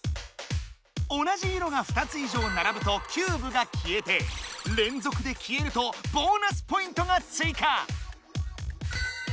同じ色が２つ以上ならぶとキューブが消えてれんぞくで消えるとボーナスポイントがついか！